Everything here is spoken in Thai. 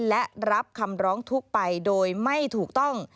และรับคำร้องทุกข์ไปโดยไม่ถูกต้อง